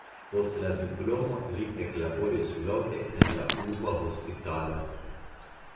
Post la diplomo li eklaboris loke en la urba hospitalo.